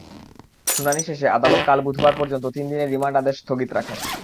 শুনানি শেষে আদালত কাল বুধবার পর্যন্ত তিন দিনের রিমান্ড আদেশ স্থগিত রাখেন।